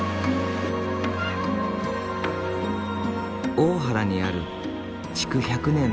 大原にある築１００年の古民家。